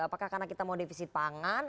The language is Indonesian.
apakah karena kita mau defisit pangan